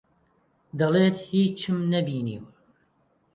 دەڵێت هیچم نەبینیوە.